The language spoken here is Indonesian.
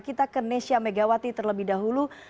kita ke nesya megawati terlebih dahulu